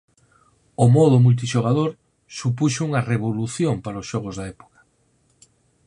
O modo multixogador supuxo unha revolución para os xogos da época.